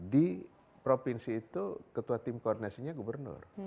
di provinsi itu ketua tim koordinasinya gubernur